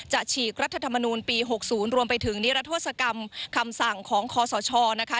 ฉีกรัฐธรรมนูลปี๖๐รวมไปถึงนิรัทธศกรรมคำสั่งของคอสชนะคะ